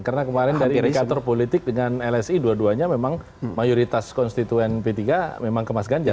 karena kemarin dari indikator politik dengan lsi dua duanya memang mayoritas konstituen p tiga memang ke mas ganjar